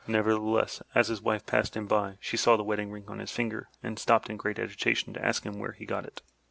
Nevertheless, as his wife passed him by, she saw the wedding ring on his finger and stopped in great agitation to ask him where he got it.